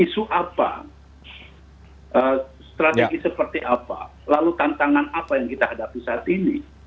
isu apa strategi seperti apa lalu tantangan apa yang kita hadapi saat ini